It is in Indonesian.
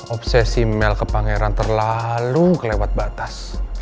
obsesi mel ke pangeran terlalu kelewat batas